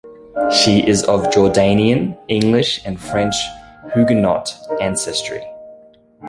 She is of Jordanian, English, and French Huguenot ancestry.